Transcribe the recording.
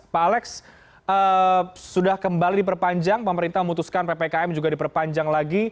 pak alex sudah kembali diperpanjang pemerintah memutuskan ppkm juga diperpanjang lagi